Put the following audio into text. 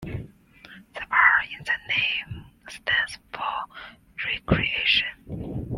The R in the name stands for Recreation.